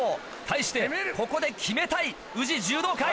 対してここで決めたい宇治柔道会。